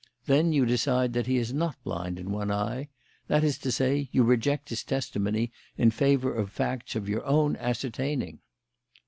Then you decide that he is not blind in one eye; that is to say, you reject his testimony in favour of facts of your own ascertaining."